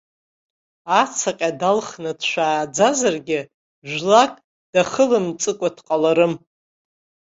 Ацаҟьа далхны дшәааӡазаргьы, жәлак дахылымҵыкәа дҟаларым!